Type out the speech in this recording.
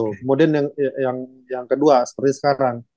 kemudian yang kedua seperti sekarang